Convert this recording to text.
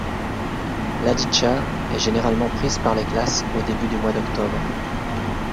L'Adytcha est généralement prise par les glaces au début du mois d'octobre.